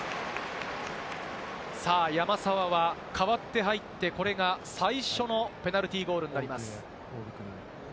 山沢は代わって入って、これが最初のペナルティーゴールになります。